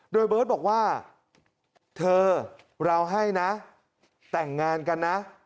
โดยเบิร์ตบอกว่าเธอเราให้นะแต่งงานกันนะ